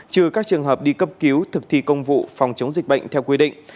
trừ các trường hợp đi cấp cứu thực thi công vụ phòng chống dịch bệnh theo quy định